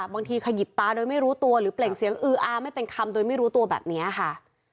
ขยิบตาโดยไม่รู้ตัวหรือเปล่งเสียงอืออาไม่เป็นคำโดยไม่รู้ตัวแบบนี้ค่ะ